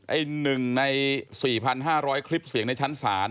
ไอ้หนึ่งใน๔๕๐๐คลิปเสียงในชั้นศาล